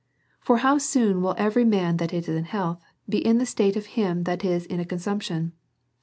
For how soon w'ill every man that is in health be in the state of him that is in a consumption!